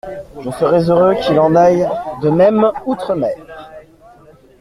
Je serais heureux qu’il en aille de même outre-mer.